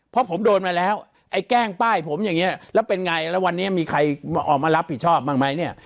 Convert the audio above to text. เพราะผมโดนมาแล้วไอ้แกล้งป้ายผมอย่างนี้แล้วเป็นไงแล้ววันนี้มีใครออกมารับผิดชอบบ้างไหมเนี่ย